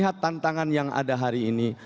kita harus melihat tantangan yang ada hari ini